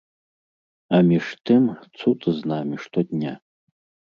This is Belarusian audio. А між тым, цуд з намі штодня.